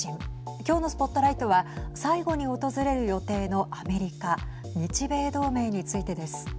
今日のＳＰＯＴＬＩＧＨＴは最後に訪れる予定のアメリカ日米同盟についてです。